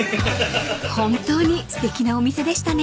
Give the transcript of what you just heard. ［本当にすてきなお店でしたね］